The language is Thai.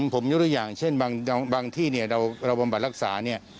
ผมนึกอันอย่างเช่นบางที่เราบำบัดรักษา